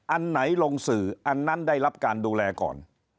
อันไหนลงสื่ออันนั้นได้รับการดูแลก่อน